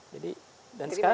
jadi dan sekarang